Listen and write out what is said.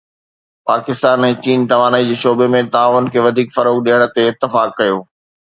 پاڪستان ۽ چين توانائي جي شعبي ۾ تعاون کي وڌيڪ فروغ ڏيڻ تي اتفاق ڪيو